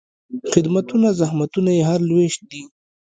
خدمتونه، زحمتونه یې هر لوېشت دي